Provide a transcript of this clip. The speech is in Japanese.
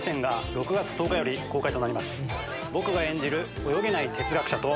僕が演じる泳げない哲学者と。